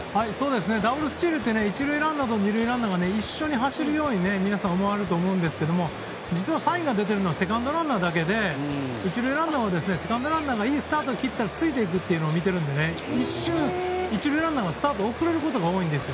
ダブルスチールって１塁ランナーと２塁ランナーが一緒に走るように皆さん思われると思うんですけど実はサインが出ているのはセカンドランナーだけで１塁ランナーはセカンドランナーがいいスタートを切ったらついていくというのを見ているので一瞬、１塁ランナーがスタートが遅れることが多いんです。